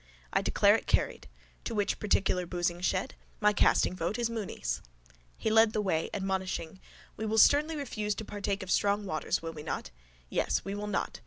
I declare it carried. To which particular boosing shed...? My casting vote is: Mooney's! He led the way, admonishing: —We will sternly refuse to partake of strong waters, will we not? Yes, we will not.